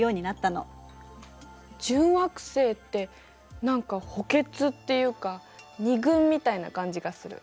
準惑星って何か補欠っていうか二軍みたいな感じがする。